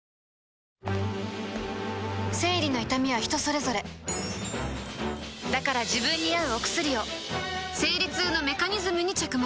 生理の痛みは人それぞれだから自分に合うお薬を生理痛のメカニズムに着目